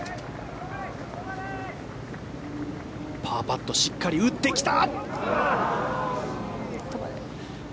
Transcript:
パーパットしっかり打ってきた！